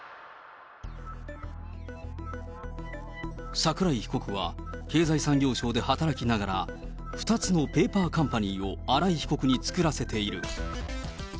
桜井被告は、経済産業省で働きながら、２つのペーパーカンパニーを新井被告に作らせている。